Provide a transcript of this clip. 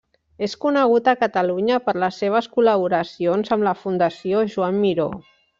És conegut a Catalunya per les seves col·laboracions amb la Fundació Joan Miró.